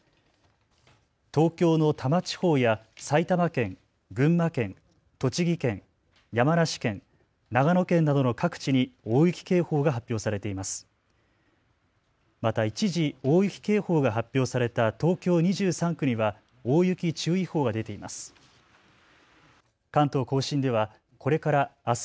東京の多摩地方や埼玉県、群馬県、栃木県、山梨県、長野県などの各地に大雪警報が発表されています。